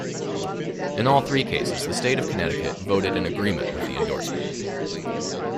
In all three cases, the state of Connecticut voted in agreement with the endorsement.